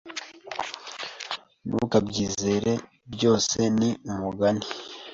Ntukabyizere. Byose ni umugani.